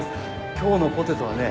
今日のポテトはね